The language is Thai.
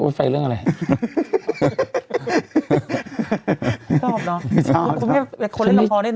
เป็นไฟเรื่องอะไร